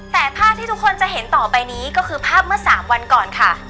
แต่ภาพที่ทุกคนจะเห็นต่อไปนี้ก็คือภาพเมื่อ๓วันก่อนค่ะ